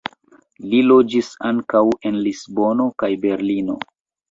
Li loĝis ankaŭ en Lisbono kaj Berlino.